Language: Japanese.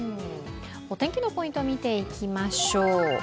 お天気のポイント見ていきましょう。